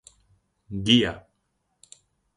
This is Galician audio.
Guía.